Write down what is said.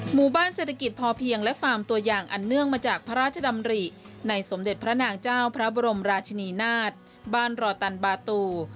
หมู่บ้านเศรษฐกิจพอเพียงและฟาร์มตัวอย่างอันเนื่องมาจากพระราชดำริในสมเด็จพระนางเจ้าพระบรมราชินีนาฏบ้านรอตันบาตู